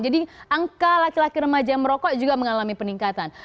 jadi angka laki laki remaja yang merokok juga mengalami peningkatan